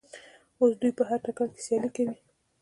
اوس دوی په هر ډګر کې سیالي کوي.